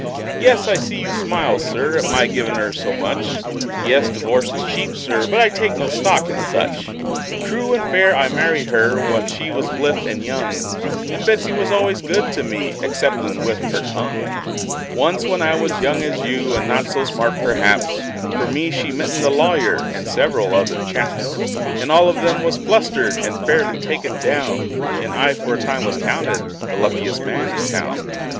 Yes, I see you smile, Sir, at my givin' her so much; Yes, divorce is cheap, Sir, but I take no stock in such! True and fair I married her, when she was blithe and young; And Betsey was al'ays good to me, exceptin' with her tongue. [ image not found: CarleFarmB 19, CarleFarmB 19 ] Once, when I was young as you, and not so smart, perhaps, For me she mittened a lawyer, and several other chaps; And all of them was flustered, and fairly taken down, And I for a time was counted the luckiest man in town.